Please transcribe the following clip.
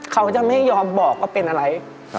เขาจะไม่ยอมบอกว่าเป็นอะไร